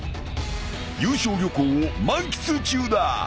［優勝旅行を満喫中だ］